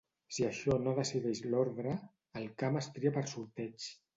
Si això no decideix l'ordre, el camp es tria per sorteig.